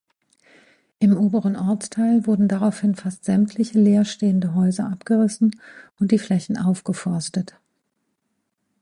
Im oberen Ortsteil wurden daraufhin fast sämtliche leerstehende Häuser abgerissen und die Flächen aufgeforstet.